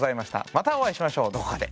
またお会いしましょうどこかで。